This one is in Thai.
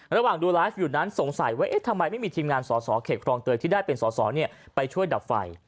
ระหว่างดูไลฟ์อยู่นั้นสงสัยว่าเอ๊ะทำไมไม่มีทีมงานสอสอเขตครองเตยที่ได้เป็นสอสอไปช่วยดับไฟ